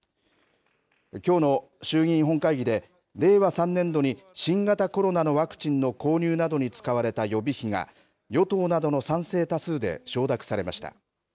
きょうの衆議院本会議で令和３年度に新型コロナのワクチンの購入などに使われた予備費が与党などの賛成多数で承諾されました。